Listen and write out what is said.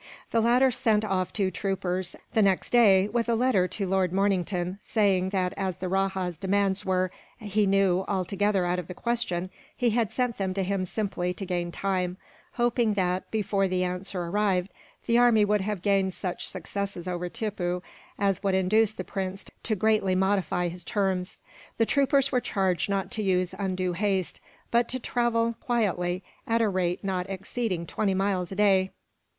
The latter sent off two troopers, the next day, with a letter to Lord Mornington saying that as the rajah's demands were, he knew, altogether out of the question, he had sent them to him simply to gain time; hoping that, before the answer arrived, the army would have gained such successes over Tippoo as would induce the prince to greatly modify his terms. The troopers were charged not to use undue haste, but to travel quietly, at a rate not exceeding twenty miles a day.